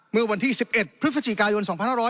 เมื่อวันที่๑๑พฤศจิกายน๒๕๖๐